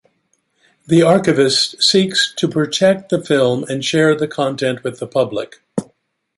The archivist seeks to protect the film and share the content with the public.